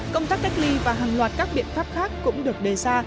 công tác cách ly và hàng loạt các biện pháp khác cũng được đề ra